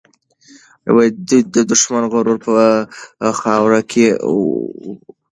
دوی د دښمن غرور په خاوره کې ورګډ کړ.